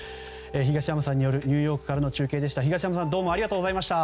東山さんによるニューヨークからの中継でした。